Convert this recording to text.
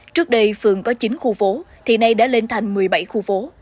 trước đây phường có chín khu phố thì nay đã lên thành một mươi bảy khu phố